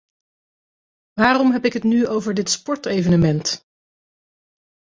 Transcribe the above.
Waarom heb ik het nu over dit sportevenement?